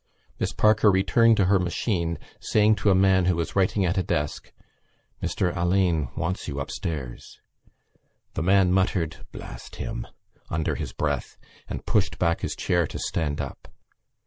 Miss Parker returned to her machine, saying to a man who was writing at a desk: "Mr Alleyne wants you upstairs." The man muttered "Blast him!" under his breath and pushed back his chair to stand up.